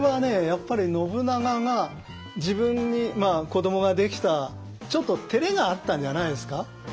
やっぱり信長が自分に子どもができたちょっとてれがあったんじゃないですか？